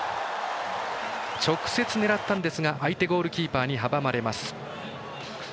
直接狙ったんですが相手ゴールキーパーに阻まれます。